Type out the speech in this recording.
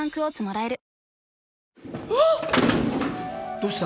どうした？